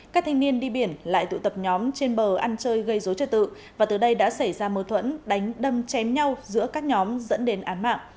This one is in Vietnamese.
các thanh niên đi biển lại tụ tập nhóm trên bờ ăn chơi gây dối trợ tự và từ đây đã xảy ra mâu thuẫn đánh đâm chém nhau giữa các nhóm dẫn đến án mạng